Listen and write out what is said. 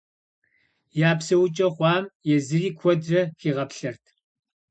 Я псэукӀэ хъуам езыри куэдрэ хигъаплъэрт.